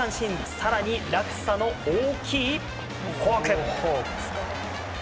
更に、落差の大きいフォーク。